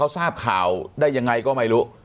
ทราบข่าวได้ยังไงก็ไม่รู้